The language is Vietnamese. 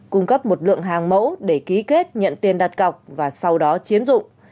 cung cấp một lượng hàng mẫu để ký kết nhận tiền đặt cọc và sau đó chiếm dụng